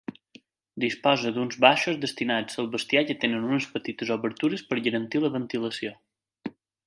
Disposa d'uns baixos destinats al bestiar que tenen unes petites obertures per garantir la ventilació.